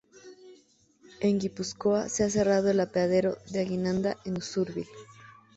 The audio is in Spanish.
En Guipúzcoa se ha cerrado el apeadero de Aguinaga en Usúrbil.